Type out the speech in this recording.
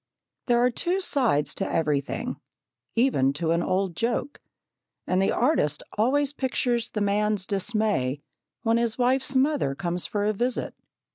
There are two sides to everything, even to an old joke, and the artist always pictures the man's dismay when his wife's mother comes for a visit.